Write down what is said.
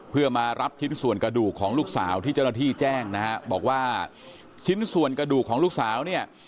เพื่อมารับชิ้นส่วนกระดูกของลูกสาวที่เจ้าหน้าที่แจ้งนะฮะบอกว่าชิ้นส่วนกระดูกของลูกสาวเนี่ย